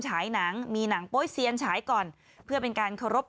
ฉายหนังมีหนังโป๊เซียนฉายก่อนเพื่อเป็นการเคารพ